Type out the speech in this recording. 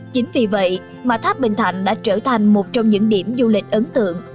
chính vì vậy mà tháp bình thạnh đã trở thành một trong những điểm du lịch ấn tượng